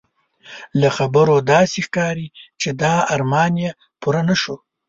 له خبرو داسې ښکاري چې دا ارمان یې پوره نه شو.